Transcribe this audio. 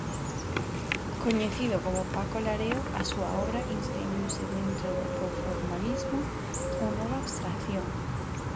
Coñecido como Paco Lareo, a súa obra inscribiuse dentro do posformalismo ou nova abstracción.